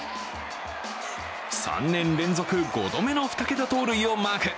３年連続５度目の２桁盗塁をマーク。